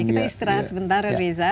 kita istirahat sebentar ya reza